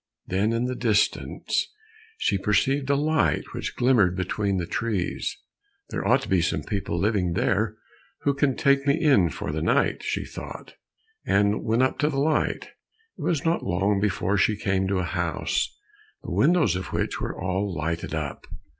Then in the distance she perceived a light which glimmered between the trees. "There ought to be some people living there, who can take me in for the night," thought she, and went up to the light. It was not long before she came to a house the windows of which were all lighted up.